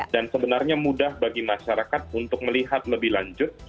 dan sebenarnya mudah bagi masyarakat untuk melihat lebih lanjut